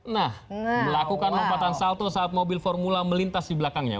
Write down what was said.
nah melakukan lompatan salto saat mobil formula melintas di belakangnya